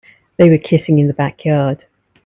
They were kissing in the backyard.